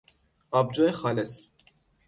آبجو خالص